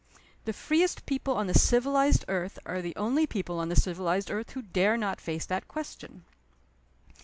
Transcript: The freest people on the civilized earth are the only people on the civilized earth who dare not face that question.